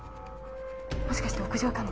もしかして屋上かも。